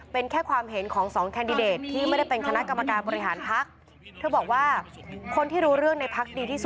เป็นแค่ความเห็นของสองแคนทดิเดตที่ไม่เป็นคณะกำลังการบริหารพัก